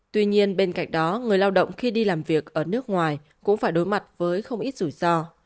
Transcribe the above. tuy nhiên bên cạnh đó người lao động khi đi làm việc ở nước ngoài cũng phải đối mặt với không ít rủi ro